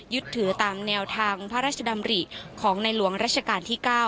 ยึดถือตามแนวทางพระราชดำริของในหลวงราชการที่๙